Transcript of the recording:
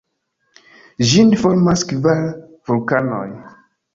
Ĝin formas kvar vulkanoj.